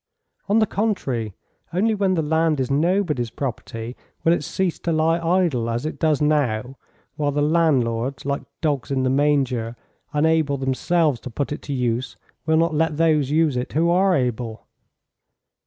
"On the contrary, only when the land is nobody's property will it cease to lie idle, as it does now, while the landlords, like dogs in the manger, unable themselves to put it to use, will not let those use it who are able."